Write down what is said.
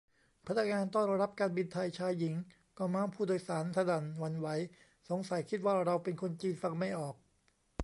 พนักงานต้อนรับการบินไทยชายหญิงก็เมาท์ผู้โดยสารสนั่นหวั่นไหว สงสัยคิดว่าเราเป็นคนจีนฟังไม่ออก